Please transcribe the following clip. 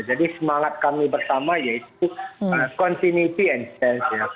jadi semangat kami bersama yaitu continuity and sense ya